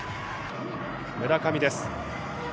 村上です。